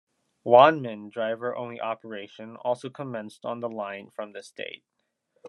"Wanman" driver-only operation also commenced on the line from this date.